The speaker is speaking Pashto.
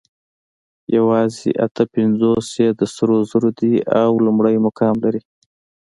یواځې اته پنځوس یې د سرو زرو دي او لومړی مقام لري